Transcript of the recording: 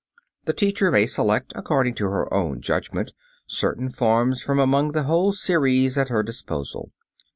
The teacher may select according to her own judgment certain forms from among the whole series at her disposal.